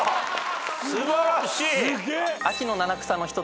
素晴らしい！